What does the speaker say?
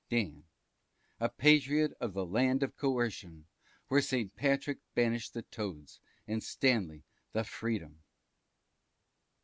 Dan. A Patriot of the land of Coercion, where St. Patrick banished the toads, and Stanley the freedom.